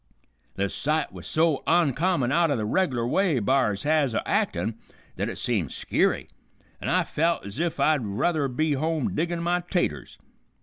The sight was so oncommon out o' the reg'lar way b'ars has o' actin' that it seemed skeery, an' I felt ez if I'd ruther be home diggin' my 'taters.